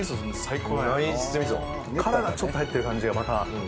殻がちょっと入ってる感じがまた。